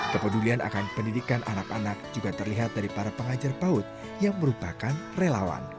kepedulian akan pendidikan anak anak juga terlihat dari para pengajar paut yang merupakan relawan